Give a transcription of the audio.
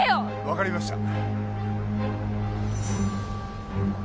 わかりました。